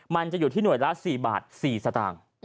มันจะอยู่ที่หน่วยละ๔บาท๔สตางค์